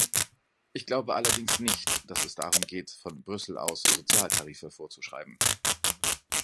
Ich glaube allerdings nicht, dass es darum geht, von Brüssel aus Sozialtarife vorzuschreiben.